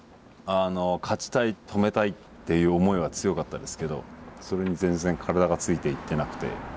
勝ちたい止めたいっていう思いは強かったですけどそれに全然体がついていってなくて。